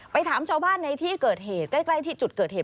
ถามชาวบ้านในที่เกิดเหตุใกล้ที่จุดเกิดเหตุ